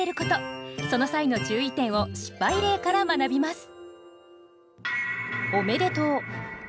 その際の注意点を失敗例から学びます。